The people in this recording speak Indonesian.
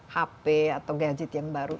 hp atau gadget yang baru